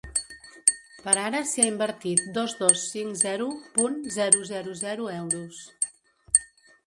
Per ara s’hi ha invertit dos dos cinc zero punt zero zero zero euros.